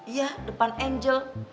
iya depan angel